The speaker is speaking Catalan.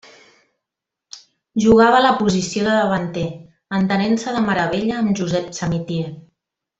Jugava a la posició de davanter, entenent-se de meravella amb Josep Samitier.